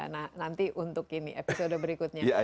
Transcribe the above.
nanti untuk episode berikutnya